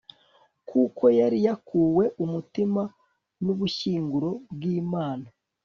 kuko yari yakuwe umutima n'ubushyinguro bw'imana